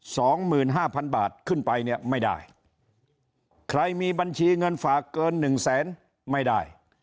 สองหมื่นห้าพันบาทขึ้นไปเนี่ยไม่ได้ใครมีบัญชีเงินฝากเกินหนึ่งแสนไม่ได้